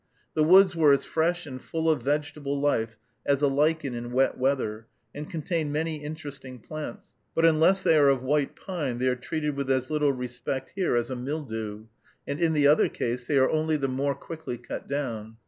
The woods were as fresh and full of vegetable life as a lichen in wet weather, and contained many interesting plants; but unless they are of white pine, they are treated with as little respect here as a mildew, and in the other case they are only the more quickly cut down.